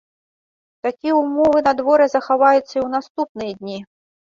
Такія ўмовы надвор'я захаваюцца і ў наступныя дні.